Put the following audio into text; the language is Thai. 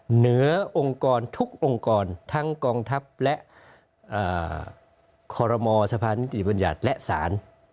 เหนือองค์กรทุกองค์กรทั้งกองทัพและคอรมอสะพานิติบัญญัติและศาล